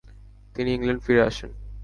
তিনি ইংল্যান্ডে ফিরে আসেন।